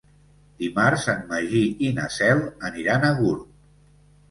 Dimarts en Magí i na Cel aniran a Gurb.